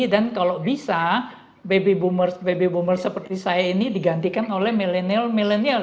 dan kalau bisa baby boomer baby boomer seperti saya ini digantikan oleh millennial millennial